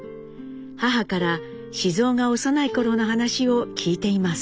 母から雄が幼い頃の話を聞いています。